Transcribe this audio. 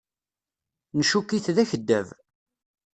Ncukk-it d akeddab.